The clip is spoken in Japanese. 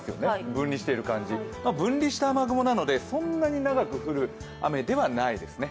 分離してる感じ分離した雨雲なのでそんなに長く降る雨ではないですね。